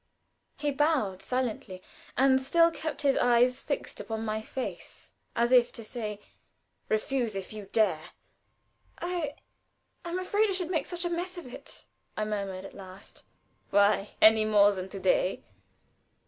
He bowed silently, and still kept his eyes fixed upon my face, as if to say, "Refuse if you dare." "I I'm afraid I should make such a mess of it," I murmured at last. "Why any more than to day?"